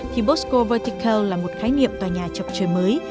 thì bosco vertical là một khái niệm tòa nhà trọc trời mới